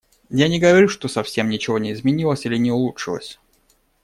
Я не говорю, что совсем ничего не изменилось или не улучшилось.